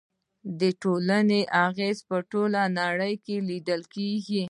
د دې ټولنې اغیز په ټوله نړۍ کې لیدل کیږي.